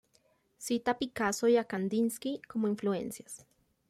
Cita a Picasso y a Kandinsky como influencias.